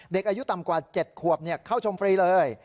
เด็กอายุต่ำกว่า๗ขวบเข้าชมฟรีเลย